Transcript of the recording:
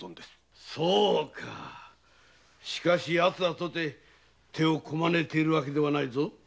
しかし奴らとて手をこまねいているわけではないぞ。